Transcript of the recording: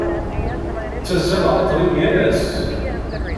Ttazzaleɣ qrib yal ass.